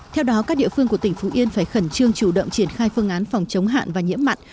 theo đó các địa phương của tỉnh phú yên phải khẩn trương chủ động triển khai phương án phòng chống hạn và nhiễm mặn